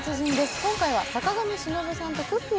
今回は坂上忍さんとくっきー！